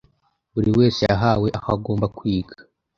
Buri wese yahawe aho agomba kwiga.